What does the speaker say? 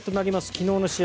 昨日の試合